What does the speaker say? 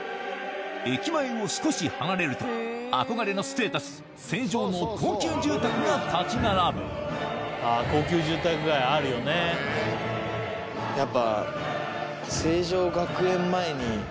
駅前を少し離れると憧れのステータス成城の高級住宅が立ち並ぶやっぱ。